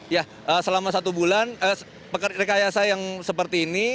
ya selama satu bulan rekayasa yang seperti ini